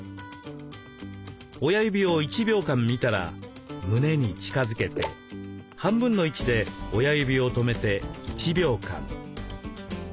親指を１秒間見たら胸に近づけて半分の位置で親指を止めて１秒間。